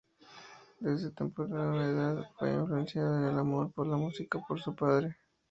Desde temprana edad fue influenciado en el amor por la música por su padre.